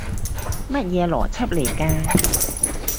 乜嘢邏輯嚟㗎？